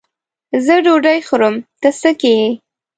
زه ډوډۍ خورم؛ ته څه که یې.